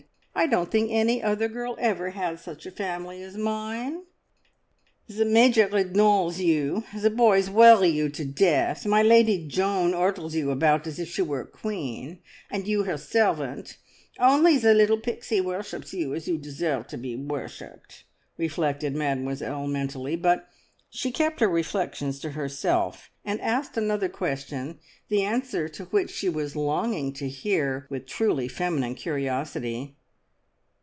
I don't think any other girl ever had such a family as mine!" "The Major ignores you; the boys worry you to death; my lady Joan orders you about as if she were a queen, and you her servant; only the little Pixie worships you as you deserve to be worshipped," reflected Mademoiselle mentally; but she kept her reflections to herself, and asked another question, the answer to which she was longing to hear with truly feminine curiosity.